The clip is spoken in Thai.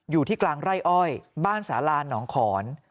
อยู่ที่กลางไร่อ้อยบ้านสาลาหนองขอน